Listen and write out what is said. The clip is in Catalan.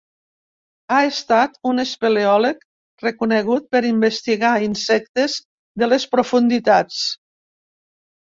Ha estat un espeleòleg reconegut per investigar insectes de les profunditats.